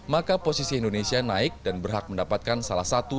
maka posisi indonesia naik dan berhak mendapatkan salah satu